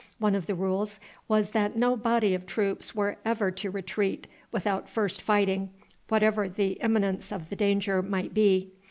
One of the rules was that no body of troops were ever to retreat without first fighting, whatever the imminence of the danger might be.